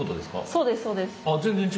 そうですそうです。